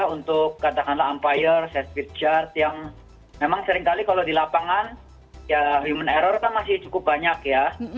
untuk katakanlah umpire set speed chart yang memang sering kali kalau di lapangan ya human error kan masih cukup banyak ya